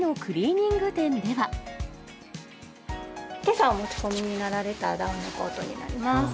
けさお持ち込みになられたダウンコートになります。